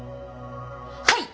はい！